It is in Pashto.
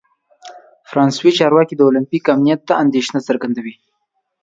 فرانسوي چارواکي د اولمپیک امنیت ته اندیښنه څرګندوي.